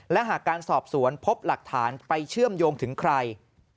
และหากการสอบสวนพบหลักฐานไปเชื่อมโยงถึงใคร